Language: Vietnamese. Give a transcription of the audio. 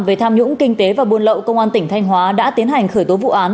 về tham nhũng kinh tế và buôn lậu công an tỉnh thanh hóa đã tiến hành khởi tố vụ án